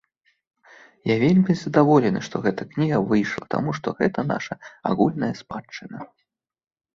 Я вельмі задаволены, што гэта кніга выйшла, таму што гэта наша агульная спадчына.